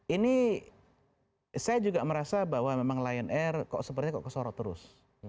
ini saya juga merasa bahwa memang lion air kok sepertinya kok kesorot terus